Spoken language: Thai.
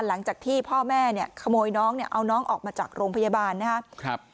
หลังจากที่พ่อแม่เนี่ยขโมยน้องเนี่ยเอาน้องออกมาจากโรงพยาบาลนะครับ